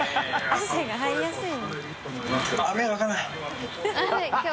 汗が入りやすい。